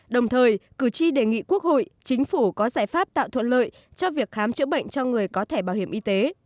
đồng thời cử tri đề nghị quốc hội chính phủ có giải pháp tạo thuận lợi cho việc khám chữa bệnh cho người có thẻ bảo hiểm y tế